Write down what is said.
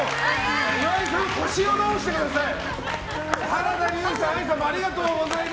岩井さん、腰を治してください。